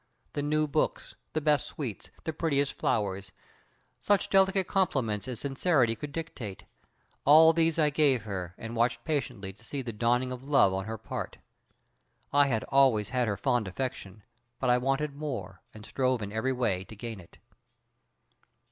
The new books, the best sweets, the prettiest flowers, such delicate compliments as sincerity could dictate all these I gave her and watched patiently to see the dawning of love on her part. I had always had her fond affection, but I wanted more and strove in every way to gain it.